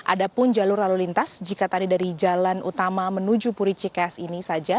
ada pun jalur lalu lintas jika tadi dari jalan utama menuju puricikes ini saja